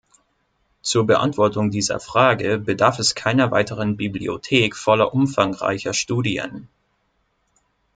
Zur Beantwortung dieser Frage bedarf es keiner weiteren Bibliothek voller umfangreicher Studien.